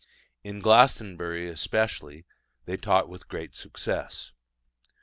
In Glastonbury especially, they taught with great success.